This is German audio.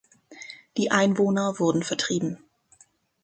Die Einwohner wurden vertrieben.